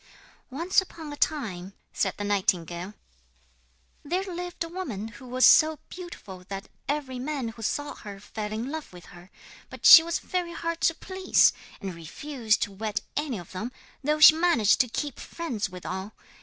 'Once upon a time,' said the nightingale, 'there lived a woman who was so beautiful that every man who saw her fell in love with her. But she was very hard to please, and refused to wed any of them, though she managed to keep friends with all.